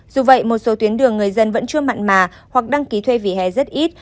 dù vậy một số tuyến đường người dân vẫn chưa mặn mà hoặc đăng ký thuê vỉa hè rất ít